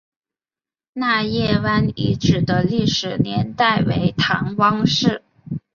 纳业湾遗址的历史年代为唐汪式。